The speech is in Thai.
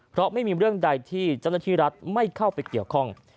เพราะไม่มีเรื่องใดที่เจ้าหน้าที่รัฐไม่เข้าไปเกี่ยวข้อง